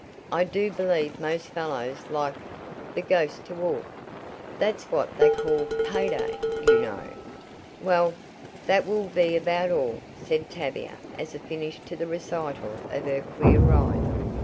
"I do believe most fellows like 'the ghost to walk.' That's what they call pay day, you know." "Well, that will be about all," said Tavia as a finish to the recital of her queer ride.